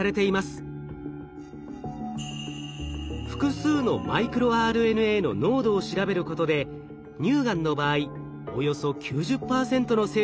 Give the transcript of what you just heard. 複数のマイクロＲＮＡの濃度を調べることで乳がんの場合およそ９０％の精度でがんを検出。